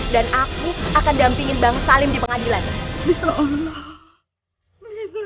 dan aku akan dampingin bang salim di pengadilan